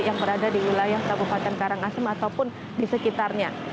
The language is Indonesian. yang berada di wilayah kabupaten karangasem ataupun di sekitarnya